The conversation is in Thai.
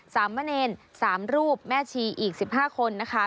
สามมะเนนสามรูปแม่ชีอีก๑๕คนนะคะ